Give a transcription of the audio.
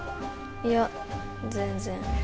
いや、全然。